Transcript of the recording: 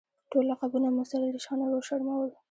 ټول لقبونه مو سره ریشخند او وشرمول.